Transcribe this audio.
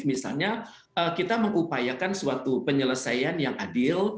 misalnya kita mengupayakan suatu penyelesaian yang adil